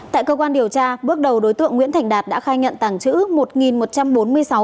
tại cơ quan điều tra bước đầu đối tượng nguyễn thành đạt đã khai nhận tàng trữ